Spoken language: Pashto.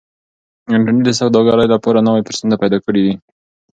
انټرنيټ د سوداګرۍ لپاره نوي فرصتونه پیدا کړي دي.